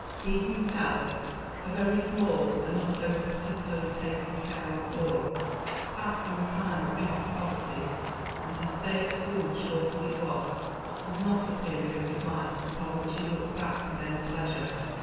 He himself, "a very small and not over particularly taken care of boy," passed through a time of bitter poverty, and his stay at school, short as it was, was not a period of his life upon which he looked back with any pleasure.